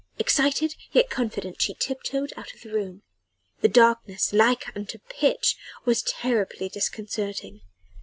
Excited yet confident she tip toed out of the room. The darkness like unto pitch was terribly disconcerting.